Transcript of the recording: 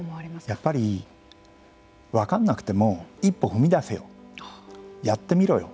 やっぱり分かんなくても一歩、踏み出せよやってみろよ